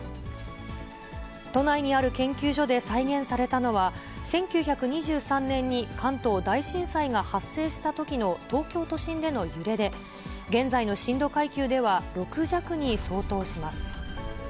都内にある研究所で再現されたのは、１９２３年に関東大震災が発生したときの東京都心での揺れで、現在の震度階級では６弱に相当します。